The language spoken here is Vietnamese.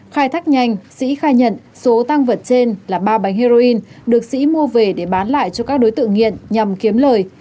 khai thác nhanh sĩ khai nhận số tăng vật trên là ba bánh heroin được sĩ mua về để bán lại cho các đối tượng nghiện nhằm kiếm lời